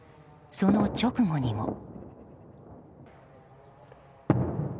その直後にも。